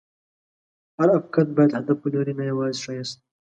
هر افکت باید هدف ولري، نه یوازې ښایست.